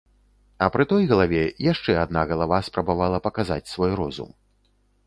А пры той галаве яшчэ адна галава спрабавала паказаць свой розум.